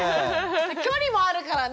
距離もあるからね。